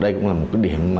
đây cũng là một cái điểm